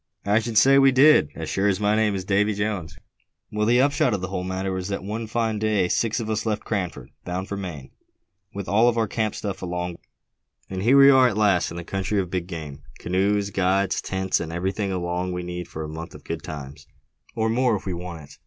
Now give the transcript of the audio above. "I should say we did, as sure as my name's Davy Jones!" "Well, the upshot of the whole matter was that one fine day six of us left Cranford, bound for Maine, with all our camp stuff along; and here we are at last, in the country of big game, canoes, guides, tents, and everything along we need for a month of good times, or more if we want it."